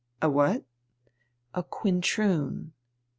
"A what?" "A quintroon."